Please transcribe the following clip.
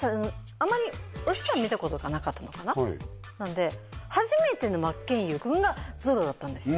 あまりお芝居見たことがなかったのかななので初めての真剣佑君がゾロだったんですよ